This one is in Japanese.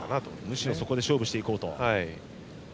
むしろ、そこで勝負していこうと。